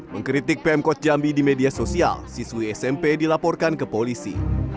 mengkritik pemkot jambi di media sosial siswi smp dilaporkan ke polisi